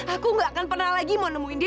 aku gak akan pernah lagi mau nemuin dia